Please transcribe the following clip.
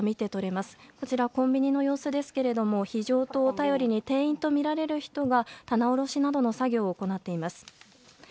こちらコンビニの様子ですけど非常灯を頼りに店員とみられる人が棚卸しなどの作業を行っています。